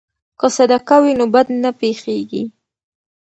که صدقه وي نو بد نه پیښیږي.